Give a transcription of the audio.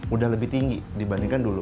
udah lebih tinggi dibandingkan dulu